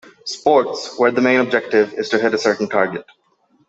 Sports where the main objective is to hit a certain target.